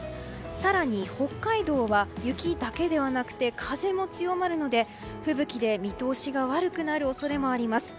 更に北海道は雪だけではなくて風も強まるので、吹雪で見通しが悪くなる恐れがあります。